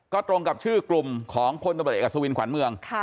ก็ตรงกับชื่อกลุ่มของพลตำรวจเอกอัศวินขวัญเมือง